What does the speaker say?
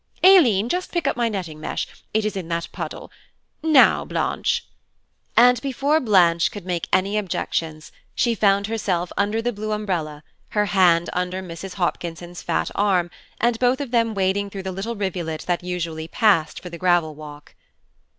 Aileen, just pick up my netting mesh; it is in that puddle. Now, Blanche." And before Blanche could make any objections, she found herself under the blue umbrella, her hand under Mrs. Hopkinson's fat arm, and both of them wading through the little rivulet that usually passed for the gravel walk.